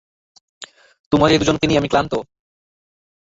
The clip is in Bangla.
তোমাদের দুজনকে নিয়ে আমি ক্লান্ত।